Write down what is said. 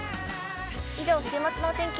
以上週末のお天気